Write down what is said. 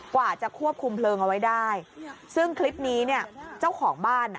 กว่าจะควบคุมเพลิงเอาไว้ได้ซึ่งคลิปนี้เนี่ยเจ้าของบ้านอ่ะ